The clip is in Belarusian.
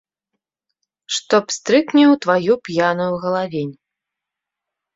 Што пстрыкне ў тваю п'яную галавень.